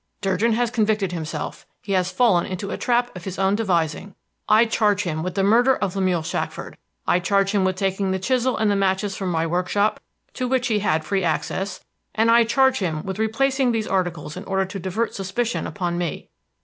Durgin has convicted himself; he has fallen into a trap of his own devising. I charge him with the murder of Lemuel Shackford; I charge him with taking the chisel and the matches from my workshop, to which he had free access; and I charge him with replacing those articles in order to divert suspicion upon me.